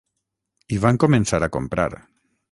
I van començar a comprar.